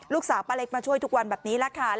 ป้าเล็กมาช่วยทุกวันแบบนี้แหละค่ะ